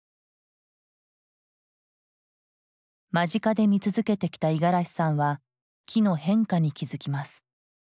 間近で見続けてきた五十嵐さんは木の変化に気付きます。